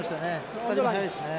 ２人とも早いですね。